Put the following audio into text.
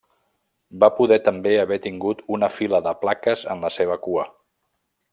Va poder també haver tingut una fila de plaques en la seva cua.